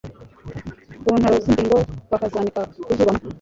ku ntaro z imbingo bakazanika ku zuba mu